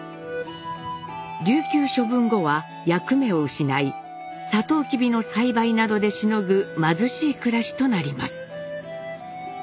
琉球処分後は役目を失いサトウキビの栽培などでしのぐ貧しい暮らしとなります。